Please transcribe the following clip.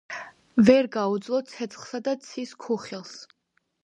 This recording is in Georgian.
ვერ გაუძლო ცეცხლსა და ცის ქუხილს.